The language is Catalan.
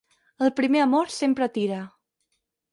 El primer amor sempre tira.